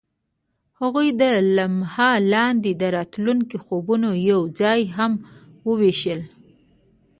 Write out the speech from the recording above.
هغوی د لمحه لاندې د راتلونکي خوبونه یوځای هم وویشل.